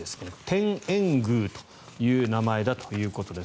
天苑宮という名前だということです。